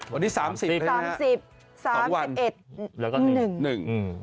วันนี้๓๐ประเทศ๒วันแล้วก็๑